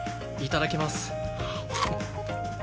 いただきます。